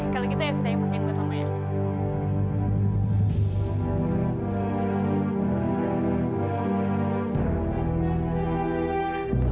kalau gitu evita yang pakein buat mama ya